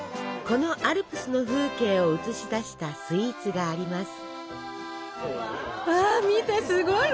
このアルプスの風景を映し出したスイーツがあります。